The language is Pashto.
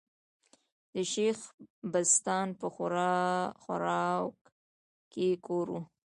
د شېخ بستان په ښوراوک کي ئې کور ؤ.